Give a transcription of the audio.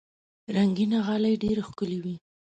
رنګینه غالۍ ډېر ښکلي وي.